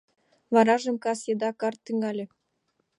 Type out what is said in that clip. Варажым кас еда карт тӱҥале.